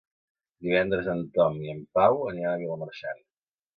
Divendres en Tom i en Pau aniran a Vilamarxant.